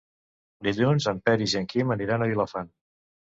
Dilluns en Peris i en Quim aniran a Vilafant.